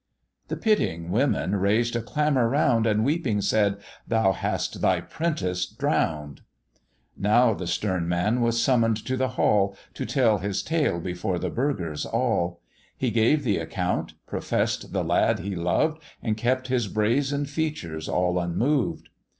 The pitying women raised a clamour round, And weeping said, "Thou hast thy 'prentice drown'd." Now the stern man was summon'd to the hall, To tell his tale before the burghers all: He gave th' account; profess'd the lad he loved, And kept his brazen features all unmoved.